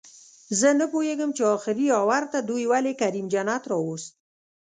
زه نپوهېږم چې اخري اوور ته دوئ ولې کریم جنت راووست